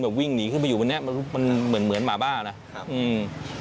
วิ่งหนีขึ้นไปอยู่บนเนี้ยมันมันเหมือนเหมือนหมาบ้านะครับอืม